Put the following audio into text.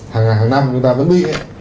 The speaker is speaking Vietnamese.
hàng năm chúng ta vẫn bị